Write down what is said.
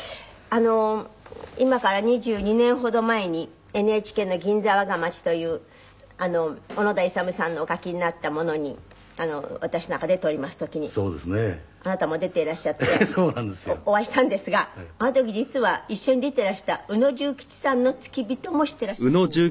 今から２２年ほど前にＮＨＫの『銀座わが町』という小野田勇さんのお書きになったものに私なんか出ております時にあなたも出ていらっしゃってお会いしたんですがあの時実は一緒に出てらした宇野重吉さんの付き人もしてらしたんですって？